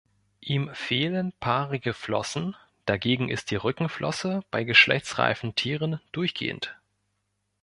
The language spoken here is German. Ihm fehlen paarige Flossen, dagegen ist die Rückenflosse bei geschlechtsreifen Tieren durchgehend.